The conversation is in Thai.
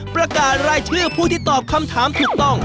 ประกาศรายชื่อผู้ที่ตอบคำถามถูกต้อง